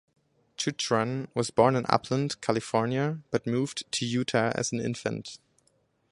Chuchran was born in Upland, California but moved to Utah as an infant.